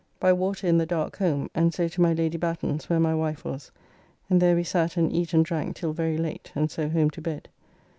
] By water in the dark home, and so to my Lady Batten's where my wife was, and there we sat and eat and drank till very late, and so home to bed.